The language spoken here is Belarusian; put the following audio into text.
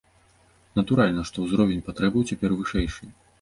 Натуральна, што ўзровень патрэбаў цяпер вышэйшы.